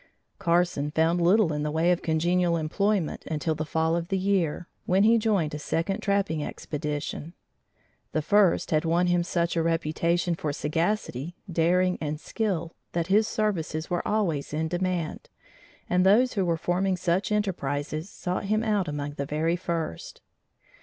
Carson found little in the way of congenial employment until the fall of the year, when he joined a second trapping expedition. The first had won him such a reputation for sagacity, daring and skill, that his services were always in demand, and those who were forming such enterprises sought him out among the very first.